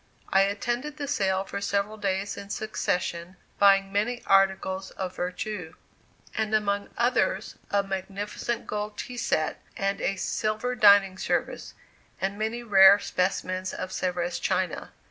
I attended the sale for several days in succession, buying many articles of vertu, and, among others, a magnificent gold tea set, and a silver dining service, and many rare specimens of Sevres china.